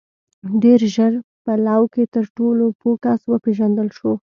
• ډېر ژر په لو کې تر ټولو پوه کس وپېژندل شو.